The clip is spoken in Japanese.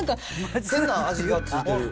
変な味がついてる。